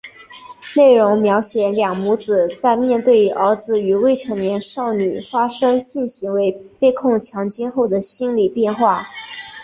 内容描写两母子在面对儿子与未成年少女发生性行为被控强奸后的心理变化。